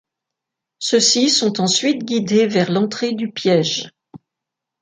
Ceux-ci sont ensuite guidés vers l'entrée du piège.